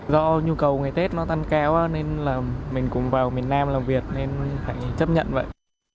do nhu cầu ngày tết nó tăng cao nên là mình cùng vào miền nam làm việc nên hãy chấp nhận vậy